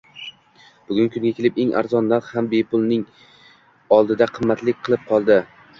Bugungi kunga kelib eng arzon narx ham bepulning oldida qimmatlik qilib qoldi